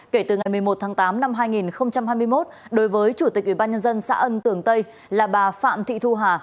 kể từ ngày một mươi một tháng tám năm hai nghìn hai mươi một đối với chủ tịch ubnd xã ân tưởng tây là bà phạm thị thu hà